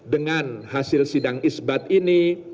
dengan hasil sidang isbat ini